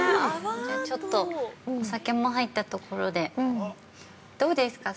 ◆じゃあ、ちょっとお酒も入ったところでどうですか？